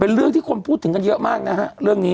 เรื่องที่คนพูดถึงกันเยอะมากนะฮะเรื่องนี้